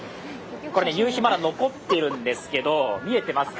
これ、夕日、まだ残ってるんですが、見えてますか？